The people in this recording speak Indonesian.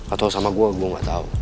atau sama gue gue gak tau